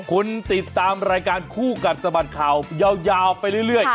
คุณติดตามรายการคู่กัดสะบัดข่าวยาวไปเรื่อย